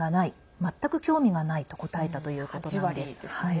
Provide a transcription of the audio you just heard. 「全く興味がない」と答えたということです。